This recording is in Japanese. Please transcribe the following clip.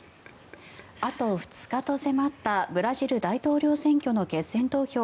あと２日と迫ったブラジル大統領選挙の決選投票。